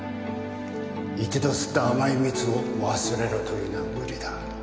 一度吸った甘い蜜を忘れろというのは無理だ。